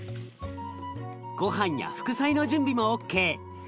ごはんや副菜の準備もＯＫ！